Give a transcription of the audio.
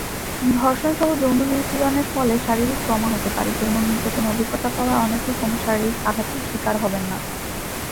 ধর্ষণ সহ যৌন নিপীড়নের ফলে শারীরিক ট্রমা হতে পারে, যৌন নির্যাতনের অভিজ্ঞতা পাওয়া অনেকেই কোনও শারীরিক আঘাতের শিকার হবেন না।